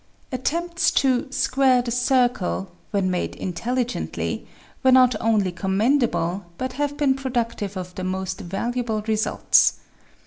Attempts to " square the circle," when made intelligently, were not only commendable but have been productive of the most valuable results.